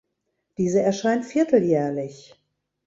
Diese erscheint vierteljährlich.